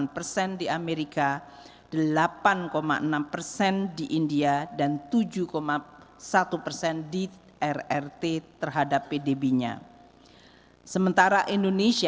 sembilan persen di amerika delapan enam persen di india dan tujuh satu persen di rrt terhadap pdb nya sementara indonesia